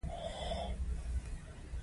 دا پیسې د ځمکې د اجارې له کبله ورکول کېږي